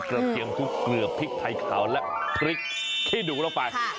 เทียมทุกเกลือพริกไทยขาวและพริกขี้หนูลงไป